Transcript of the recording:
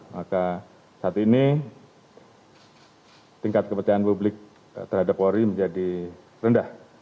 maka saat ini tingkat kepercayaan publik terhadap polri menjadi rendah